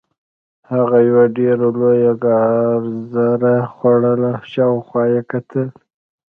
هغه یوه ډیره لویه ګازره خوړله او شاوخوا یې کتل